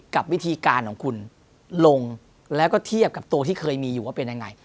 กับวิธีการของคุณลงแล้วก็เทียบกับตัวที่เคยมีอยู่ว่าเป็นยังไง